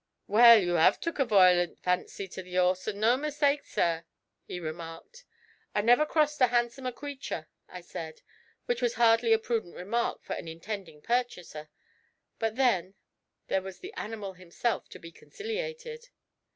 'Well, you 'ave took a voilent fancy to the 'orse and no mistake, sir,' he remarked. 'I never crossed a handsomer creature,' I said; which was hardly a prudent remark for an intending purchaser, but then, there was the animal himself to be conciliated.